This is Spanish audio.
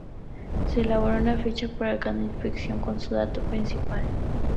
Se elaboró una ficha para cada inscripción, con sus datos principales.